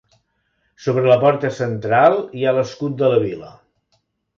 Sobre la porta central hi ha l'escut de la vila.